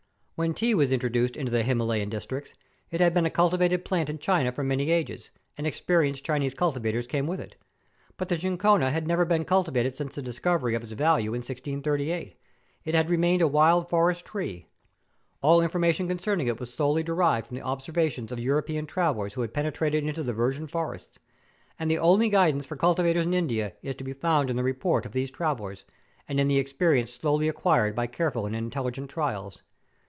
When tea was introduced into the Himalayan dis¬ tricts, it had been a cultivated plant in China for many ages, and experienced Chinese cultivators came with it. But the chinchona had never been cultivated since the discovery of its value in 1638 ; DISCOVERY OF PERUVIAN BARK. 311 it bad remained a wild forest tree; all information concerning it was solely derived from the observa¬ tions of European travellers who bad penetrated into the virgin forests, and the only guidance for cul¬ tivators in India is to be found in the report of these travellers, and in the experience slowly acquired by careful and intelligent trials.